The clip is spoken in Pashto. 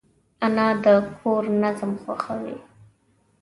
انا د کور نظم خوښوي